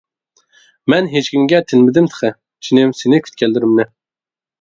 مەن ھېچكىمگە تىنمىدىم تېخى، جېنىم سېنى كۈتكەنلىرىمنى.